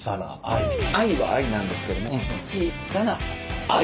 愛は愛なんですけども小さな愛。